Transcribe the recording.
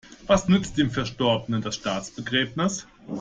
Was nützt dem Verstorbenen das Staatsbegräbnis?